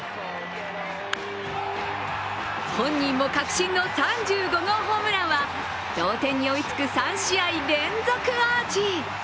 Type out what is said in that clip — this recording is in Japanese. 本人も確信の３５号ホームランは同点に追いつく３試合連続アーチ。